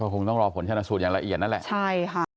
คงต้องรอผลชนะสูตรอย่างละเอียดนั่นแหละใช่ค่ะ